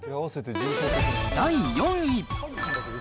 第４位。